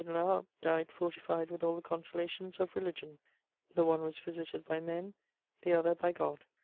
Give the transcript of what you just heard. de La Harpe died fortified with all the consolations of religion: the one was visited by men, the other by God.